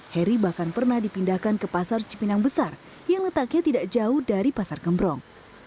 heri bahkan pernah dipindahkan ke pasar cipinang besar yang letaknya tidak jauh dari pasar gembrong